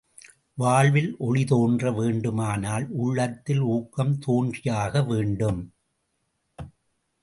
வாழ்வில் ஒளி தோன்ற வேண்டுமானால், உள்ளத்தில் ஊக்கம் தோன்றியாக வேண்டும்.